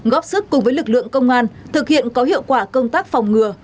góp sức cùng với lực lượng công an thực hiện có hiệu quả công tác phòng ngừa